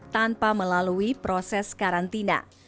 tanpa melalui proses karantina